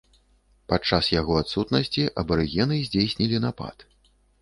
Падчас яго адсутнасці абарыгены здзейснілі напад.